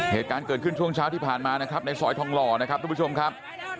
เหตุการณ์เกิดขึ้นช่วงเช้าที่ผ่านมานะครับในซอยทองหล่อนะครับทุกผู้ชมครับ